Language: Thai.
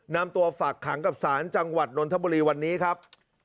นำตัวฝากขังกับศาลจังหวัดนนทบุรีวันนี้ครับ